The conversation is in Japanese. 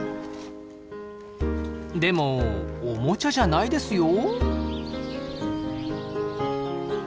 でもおもちゃじゃないですよ？